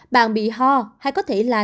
bạn bị ho hay có thể là